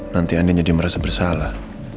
nanti anda jadi merasa bersalah